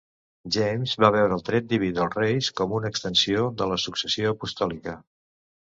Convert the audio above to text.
James va veure el dret diví dels reis com una extensió de la successió apostòlica.